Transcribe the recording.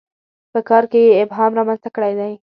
په کار کې یې ابهام رامنځته کړی دی.